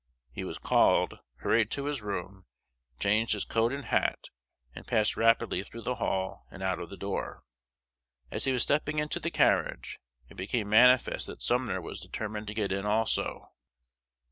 He was called, hurried to his room, changed his coat and hat, and passed rapidly through the hall and out of the door. As he was stepping into the carriage, it became manifest that Sumner was determined to get in also.